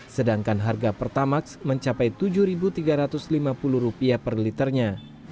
sedangkan harga pertamax mencapai rp tujuh tiga ratus lima puluh per liternya